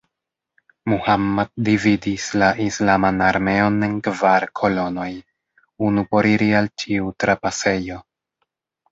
Muhammad dividis la islaman armeon en kvar kolonoj: unu por iri al ĉiu trapasejo.